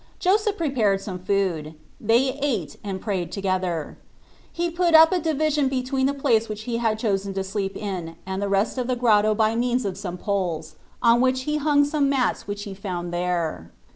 Joseph prepared some food : they ate and prayed together. He put up a division between the place which he had chosen to sleep in and the rest of the grotto by means of some poles, on which he hung 82 ftbe Ittativntp of some mats which he found there.